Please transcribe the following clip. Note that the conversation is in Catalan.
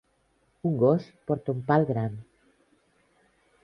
Un gos porta un pal gran.